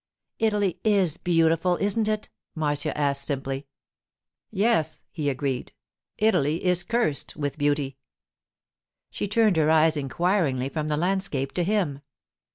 'Italy is beautiful, isn't it?' Marcia asked simply. 'Yes,' he agreed; 'Italy is cursed with beauty.' She turned her eyes inquiringly from the landscape to him.